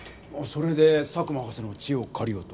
それで佐久間博士の知恵をかりようと？